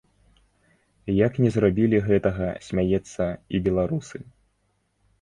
Як не зрабілі гэтага, смяецца, і беларусы.